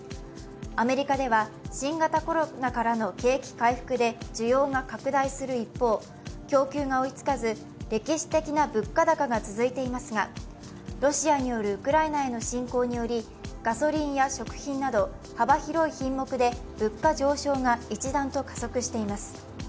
アメリカでは新型コロナからの景気回復で需要が拡大する一方、供給が追いつかず歴史的な物価高が続いていますがロシアによるウクライナへの侵攻によりガソリンや食品など幅広い品目で物価上昇が一段と加速しています。